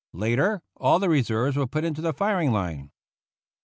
Later all the reserves were put into the firing line.